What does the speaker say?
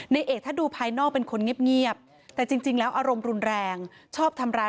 นายเอกถ้าดูภายนอกเป็นคนเงียบ